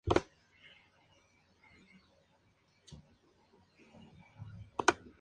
Okabe se desarrolló en el Período Edo como Okabe-juku, un pueblo en Tōkaidō.